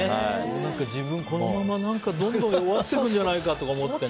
自分このままどんどん弱っていくんじゃないかとか。